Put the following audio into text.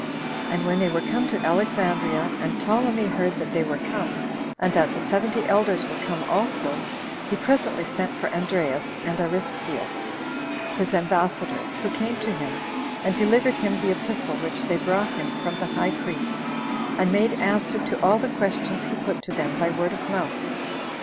And when they were come to Alexandria, and Ptolemy heard that they were come, and that the seventy elders were come also, he presently sent for Andreas and Aristens, his ambassadors, who came to him, and delivered him the epistle which they brought him from the high priest, and made answer to all the questions he put to them by word of mouth.